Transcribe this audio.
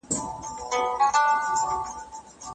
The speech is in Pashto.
بزګر وویل غویی چي ستړی کېږي